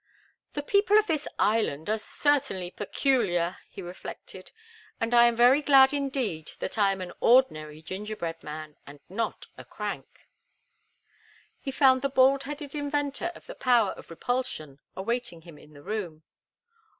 "The people of this island are certainly peculiar," he reflected; "and I am very glad indeed that I am an ordinary gingerbread man, and not a crank." He found the bald headed inventor of the power of repulsion awaiting him in the room.